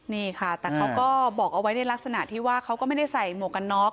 นี่ค่ะแต่เขาก็บอกเอาไว้ในลักษณะที่ว่าเขาก็ไม่ได้ใส่หมวกกันน็อก